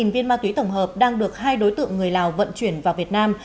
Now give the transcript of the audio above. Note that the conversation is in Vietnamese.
một mươi viên ma túy tổng hợp đang được hai đối tượng người lào vận chuyển vào việt nam